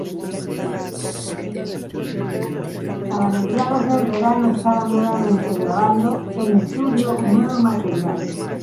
Para mediados del verano estaban nuevamente grabando en estudio un nuevo material.